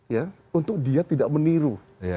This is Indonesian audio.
ya untuk dia tidak meniru